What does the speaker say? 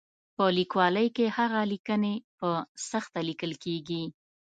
په لیکوالۍ کې هغه لیکنې په سخته لیکل کېږي.